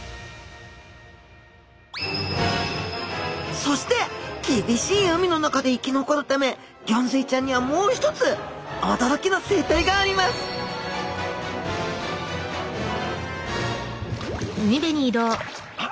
そして厳しい海の中で生き残るためギョンズイちゃんにはもう一つ驚きの生態がありますあっ